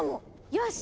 よし！